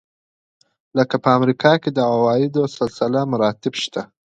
لکه په امریکا کې د عوایدو سلسله مراتب شته.